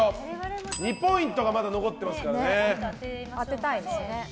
２ポイントがまだ残ってますからね。